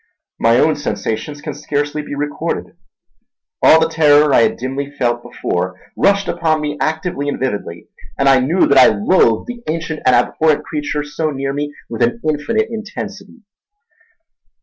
My own sensations can scarcely be recorded. All the terror I had dimly felt before rushed upon me actively and vividly, and I knew that I loathed the ancient and abhorrent creature so near me with an infinite intensity.